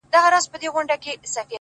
زه چـي په باندي دعوه وكړم-